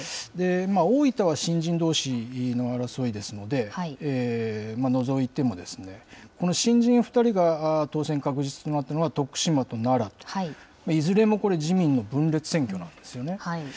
大分は新人どうしの争いですので、除いても、この新人２人が当選確実となったのは、徳島と奈良と、いずれもこれ、自民の分裂選挙なんですよね。